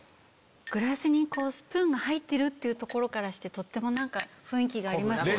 グラスにスプーンが入ってるってところからしてとっても雰囲気がありますよね。